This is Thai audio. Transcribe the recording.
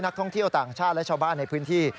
นักท่องเที่ยวต่างชาติและชาวบ้านในพื้นที่